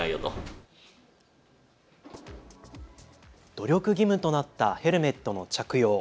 努力義務となったヘルメットの着用。